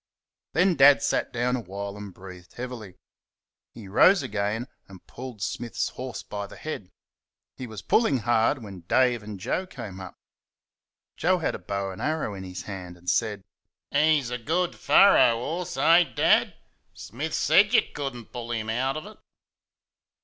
Then Dad sat down awhile and breathed heavily. He rose again and pulled Smith's horse by the head. He was pulling hard when Dave and Joe came up. Joe had a bow and arrow in his hand, and said, "He's a good furrer 'orse, eh, Dad? Smith SAID you could n't pull him out of it."